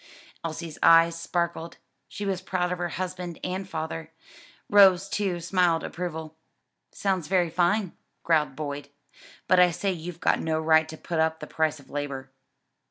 Elsie's eyes sparkled: she was proud of her husband and father. Rose, too, smiled approval. "Sounds very fine," growled Boyd, "but I say you've no right to put up the price of labor."